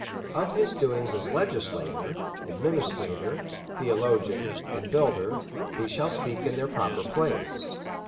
Of his doings as legislator, administrator, theologian, and builder, we shall speak in their proper place.